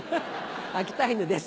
秋田犬です。